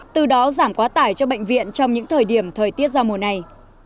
từ đó giảm quá tải cho bệnh viện trong những thời điểm thời tiết ra mùa này